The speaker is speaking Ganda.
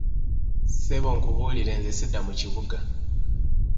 Ssebo nkubuulire nze sidda mu kibuga.